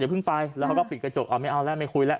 เพิ่งไปแล้วเขาก็ปิดกระจกเอาไม่เอาแล้วไม่คุยแล้ว